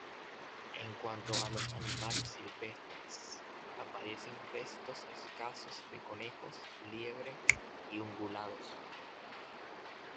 En cuanto a los animales silvestres, aparecen restos escasos de conejos, liebre y ungulados.